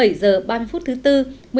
bảy h ba mươi phút thứ bốn